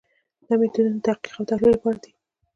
دا میتودونه د تحقیق او تحلیل لپاره دي.